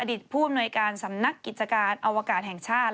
ผู้อำนวยการสำนักกิจการอวกาศแห่งชาติ